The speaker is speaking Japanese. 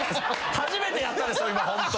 初めてやったんです今ホントに。